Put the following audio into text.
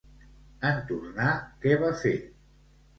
En tornar, què va fer?